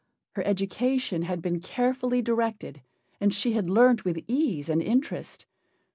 Her education had been carefully directed, and she had learnt with ease and interest.